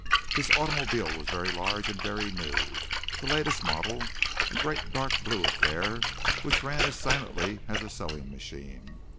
His automobile was very large and very new, the latest model, a great dark blue affair which ran as silently as a sewing machine.